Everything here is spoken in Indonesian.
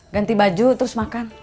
ganti baju terus makan